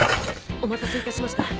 お待たせいたしました。